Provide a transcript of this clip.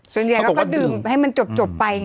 ส่วนใหญ่เราก็ดื่มให้มันจบไปไง